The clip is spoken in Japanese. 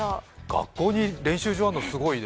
学校に練習場あるのすごいね。